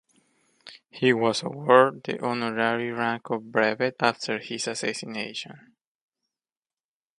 He was awarded the honorary rank of Brevet after his assassination.